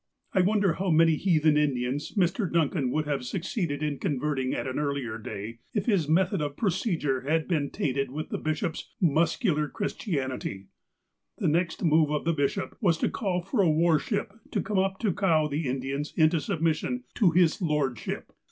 ^ I wonder how many heathen Indians Mr. Duncan would have succeeded in converting at an early day, if his method of procedure had been tainted with the bishop's '' muscular Christianity. '' The next move of the bishop was to call for a war ship to come up to cow the Indians into submission to ''His Lordship."